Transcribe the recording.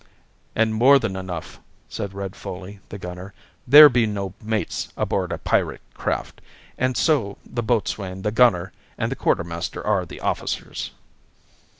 "And more than enough," said Red Foley, the gunner. "There be no mates aboard a pirate craft, and so the boatswain, the gunner, and the quarter master are the officers."